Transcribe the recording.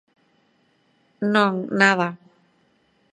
Non, nada.